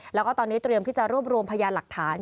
แล้วก็ตอนนี้เตรียมที่จะรวบรวมพยานหลักฐาน